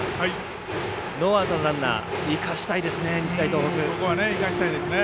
ノーアウトのランナー生かしたいですね、日大東北。